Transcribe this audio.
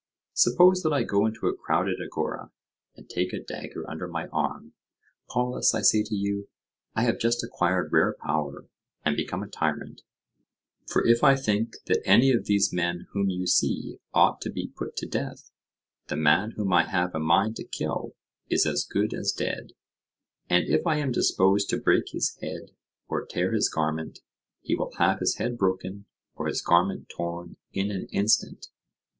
Suppose that I go into a crowded Agora, and take a dagger under my arm. Polus, I say to you, I have just acquired rare power, and become a tyrant; for if I think that any of these men whom you see ought to be put to death, the man whom I have a mind to kill is as good as dead; and if I am disposed to break his head or tear his garment, he will have his head broken or his garment torn in an instant.